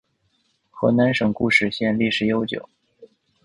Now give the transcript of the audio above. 河南省固始县历史悠久